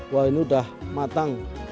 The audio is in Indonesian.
wah ini udah matang